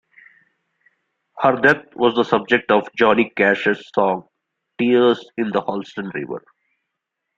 Her death was the subject of Johnny Cash's song "Tears in the Holston River".